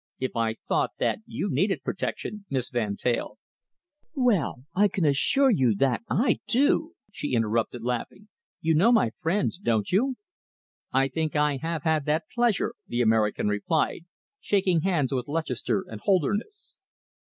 "If I thought that you needed protection, Miss Van Teyl " "Well, I can assure you that I do," she interrupted, laughing. "You know my friends, don't you?" "I think I have that pleasure," the American replied, shaking hands with Lutchester and Holderness.